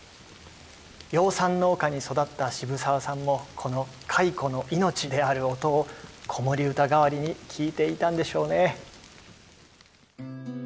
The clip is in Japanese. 養蚕農家に育った渋沢さんもこの蚕の命である音を子守歌代わりに聞いていたんでしょうね。